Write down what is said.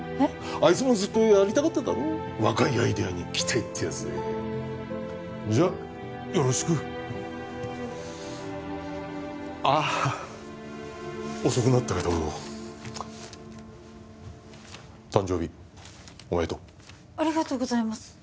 あいつもずっとやりたがってたろう若いアイデアに期待ってやつでじゃあよろしくあっ遅くなったけど誕生日おめでとうありがとうございます